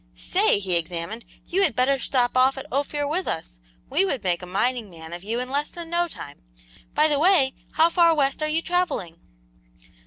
"Say!" he exclaimed, "you had better stop off at Ophir with us; we would make a mining man of you in less than no time! By the way, how far west are you travelling?"